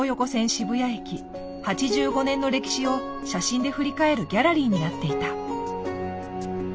渋谷駅８５年の歴史を写真で振り返るギャラリーになっていた。